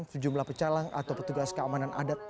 sejumlah pecalang atau petugas keamanan adat